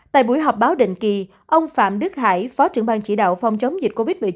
tại buổi họp báo định kỳ ông phạm đức hải phó trưởng ban chỉ đạo phòng chống dịch covid một mươi chín